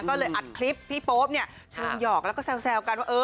ก็เลยอัดคลิปพี่โป๊ปเนี้ยช่างหยอกแล้วก็แซวแซวกันว่าเออ